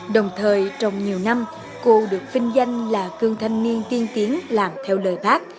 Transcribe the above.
đồng thời trong nhiều năm cô được vinh danh là cương thanh niên tiên tiến làm theo lời bác